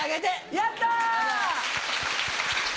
やった！